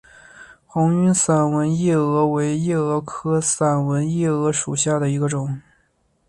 红晕散纹夜蛾为夜蛾科散纹夜蛾属下的一个种。